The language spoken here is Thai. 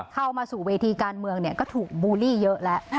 เข้ามาสู่เวทีการเมืองก็ถูกบูลลี่เยอะแล้ว